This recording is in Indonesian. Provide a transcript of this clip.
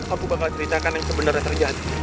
apa bakal ceritakan yang sebenarnya terjadi